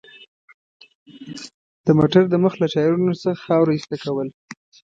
د موټر د مخ له ټایرونو څخه خاوره ایسته کول.